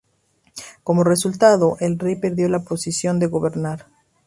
Como resultado, el rey perdió la posición de gobernar.